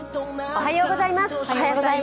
おはようございます。